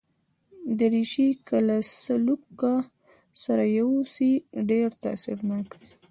دریشي که له سلوکه سره یوسې، ډېر تاثیرناک وي.